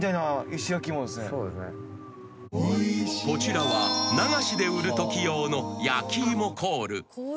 ［こちらは流しで売るとき用の焼き芋コール］